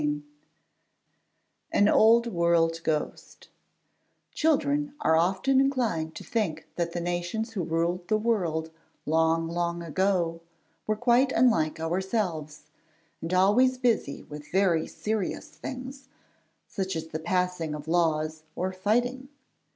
_] AN OLD WORLD GHOST Children are often inclined to think that the nations who ruled the world long, long ago, were quite unlike ourselves, and always busy with very serious things, such as the passing of laws or fighting.